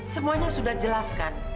semuanya sudah jelaskan